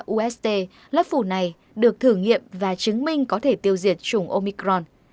u s t lớp phủ này được thử nghiệm và chứng minh có thể tiêu diệt trùng omicron